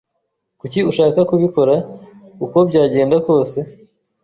Kuki ushaka kubikora uko byagenda kose?